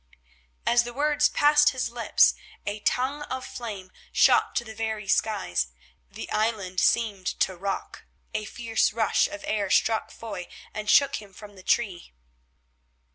As the words passed his lips a tongue of flame shot to the very skies. The island seemed to rock, a fierce rush of air struck Foy and shook him from the tree.